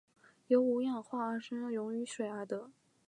由五氧化二砷溶于水而得。